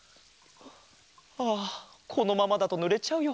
ああこのままだとぬれちゃうよ。